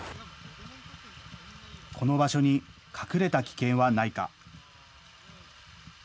この場所に隠れた危険はないか。